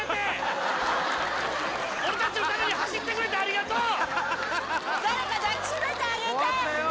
俺たちのために走ってくれてありがとう誰か抱きしめてあげて終わったよ